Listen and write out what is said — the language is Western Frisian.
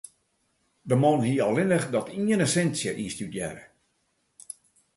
De man hie allinnich dat iene sintsje ynstudearre.